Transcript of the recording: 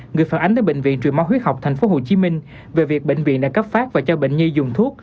người phản ánh đến bệnh viện truyền máu huyết học tp hcm về việc bệnh viện đã cấp phát và cho bệnh nhi dùng thuốc